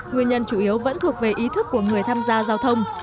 nguyên nhân chủ yếu vẫn thuộc về ý thức của người tham gia giao thông